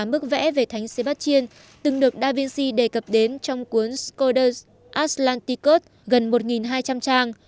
tám bức vẽ về thánh sébastien từng được da vinci đề cập đến trong cuốn skoda atlantikos gần một hai trăm linh trang